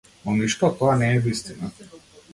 Но ништо од тоа не е вистина.